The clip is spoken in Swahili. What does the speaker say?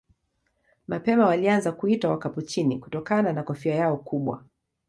Mapema walianza kuitwa Wakapuchini kutokana na kofia yao kubwa.